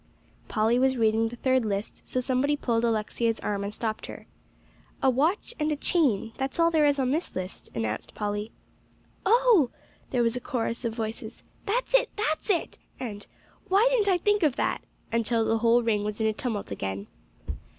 Polly was reading the third list, so somebody pulled Alexia's arm and stopped her. "A watch and chain that's all there is on this list," announced Polly. "Oh!" there was a chorus of voices "that's it that's it!" and "Why didn't I think of that?" until the whole ring was in a tumult again.